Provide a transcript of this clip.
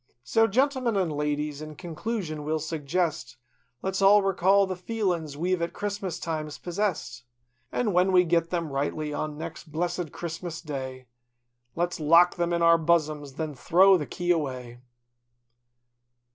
So, gentlemen an' ladies, in conclusion we'll suggest. Let's all recall the feelins we've at Christmas times possessed. An' when we git them rightly on next blessed Christmas Day, Let's lock them in our bossoms an' then throw the key away.